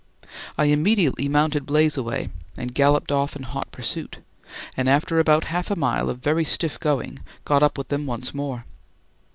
I immediately mounted "Blazeaway" and galloped off in hot pursuit, and after about half a mile of very stiff going got up with them once more.